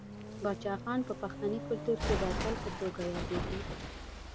باچا خان په پښتني کلتور کې د اتل په توګه یادیږي.